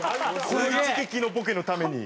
この一撃のボケのために。